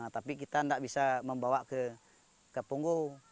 tapi kita tidak bisa membawa ke punggung